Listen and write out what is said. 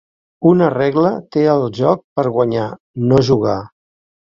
Una regla té el joc per guanyar: no jugar.